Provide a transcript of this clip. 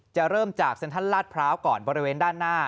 เริ่มจากเซ็นทรัลลาดพร้าวก่อนบริเวณด้านหน้า